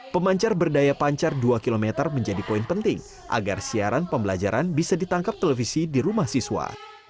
pemancar berdaya pancar dua km menjadi poin penting agar siaran pembelajaran bisa ditangkap televisi di rumah siswa